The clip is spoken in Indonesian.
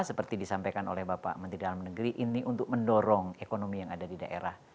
seperti disampaikan oleh bapak menteri dalam negeri ini untuk mendorong ekonomi yang ada di daerah